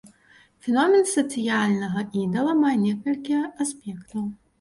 Феномен сацыяльнага ідала мае некалькі аспектаў.